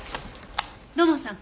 土門さん